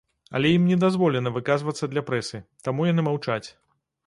Але ім не дазволена выказвацца для прэсы, таму яны маўчаць.